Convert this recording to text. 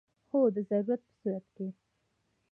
هو، د ضرورت په صورت کې